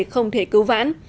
không thể cứu vãn